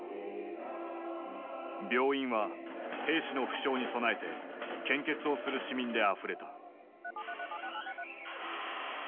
病院は兵士の負傷に備えて献血をする市民であふれた。